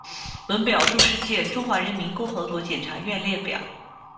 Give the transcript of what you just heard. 本表注释见中华人民共和国检察院列表。